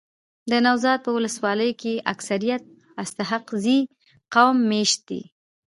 دنوزاد په ولسوالۍ کي اکثريت اسحق زی قوم میشت دی.